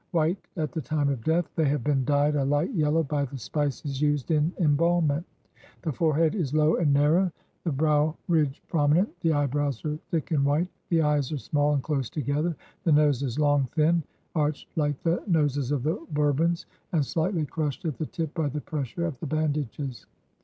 White at the time of death, they have been dyed a light yellow by the spices used in embalmment. The forehead is low and narrow; the 174 i FINDING PHARAOH brow ridge prominent; the eyebrows are thick and white; the eyes are small and close together; the nose is long, thin, arched Hke the noses of the Bourbons, and slightly crushed at the tip by the pressure of the band ages.